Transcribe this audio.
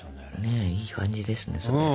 いい感じですね。